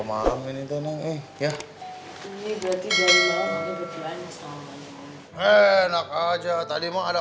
malam ini tenang ya ini berarti jangan lagi berjalan sama enak aja tadi mau ada